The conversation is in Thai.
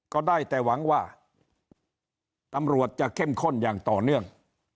ก็ได้แต่หวังว่าตำรวจจะเข้มข้นอย่างต่อเนื่อง